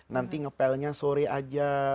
nanti ngepelnya sore aja